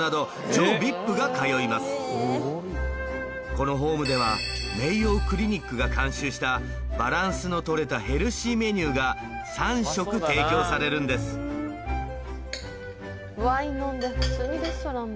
このホームではメイヨークリニックが監修したバランスの取れたヘルシーメニューが３食提供されるんですワイン飲んで普通にレストランだ。